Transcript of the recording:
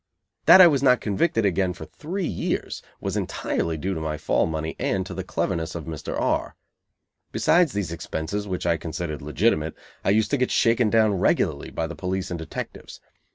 That I was not convicted again for three years was entirely due to my fall money and to the cleverness of Mr. R . Besides these expenses, which I considered legitimate, I used to get "shaken down" regularly by the police and detectives.